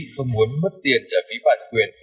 không muốn mất tiền trả phí bản quyền